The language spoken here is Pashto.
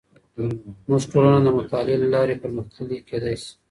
زموږ ټولنه د مطالعې له لارې پرمختللې کیدې شي.